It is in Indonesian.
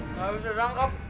enggak bisa diangkep